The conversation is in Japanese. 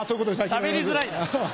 しゃべりづらいな。